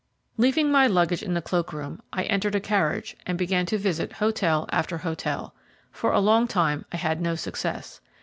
Leaving my luggage in the cloak room I entered a carriage and began to visit hotel after hotel. For a long time I had no success.